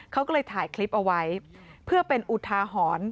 เขาก็เลยถ่ายคลิปเอาไว้เพื่อเป็นอุทาหรณ์